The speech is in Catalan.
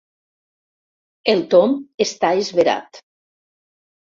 El Tom està esverat.